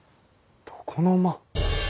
床の間。